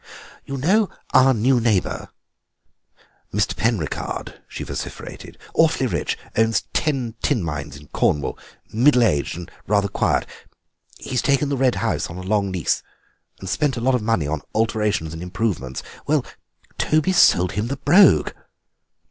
"You know our new neighbour, Mr. Penricarde?" she vociferated; "awfully rich, owns tin mines in Cornwall, middle aged and rather quiet. He's taken the Red House on a long lease and spent a lot of money on alterations and improvements. Well, Toby's sold him the Brogue!"